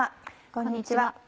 こんにちは。